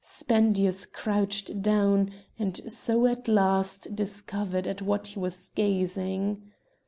Spendius crouched down, and so at last discovered at what he was gazing.